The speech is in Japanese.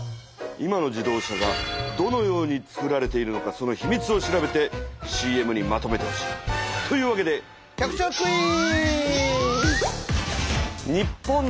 今の自動車がどのようにつくられているのかそのひみつを調べてＣＭにまとめてほしい。というわけで局長クイズ！